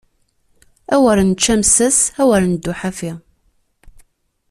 Awer nečč amessas, awer neddu ḥafi!